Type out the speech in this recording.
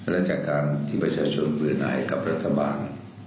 และจากการที่ประชาชนเปิดให้กับรัฐบาล